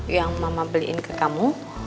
yang mama beliin ke kamu